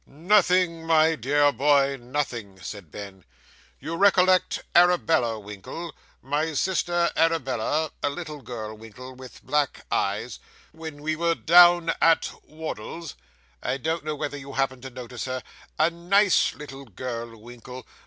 'Nothing, my dear boy, nothing,' said Ben. 'You recollect Arabella, Winkle? My sister Arabella a little girl, Winkle, with black eyes when we were down at Wardle's? I don't know whether you happened to notice her a nice little girl, Winkle.